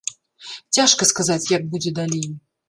Цяжка сказаць, як будзе далей.